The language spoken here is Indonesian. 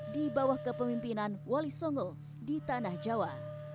di bawah kepemimpinan wali songo di tanah jawa